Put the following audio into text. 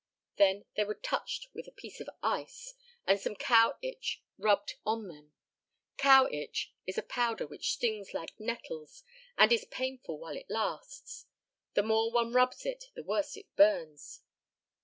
Then they were touched with a piece of ice, and some cow itch rubbed on them. Cow itch is a powder which stings like nettles, and is painful while it lasts. The more one rubs it the worse it burns.